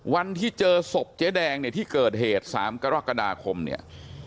วันที่เจอศพเจ๊แดงเนี่ยที่เกิดเหตุ๓กรกฎาคมเนี่ย